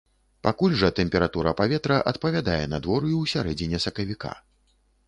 Пакуль жа тэмпература паветра адпавядае надвор'ю ў сярэдзіне сакавіка.